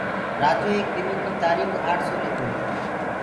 رآجو ايڪ دنو ڪيٚ تآريٚڪ اٺآري سو لينٚدو هي